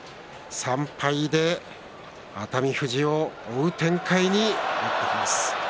３敗で熱海富士を追う展開になりました。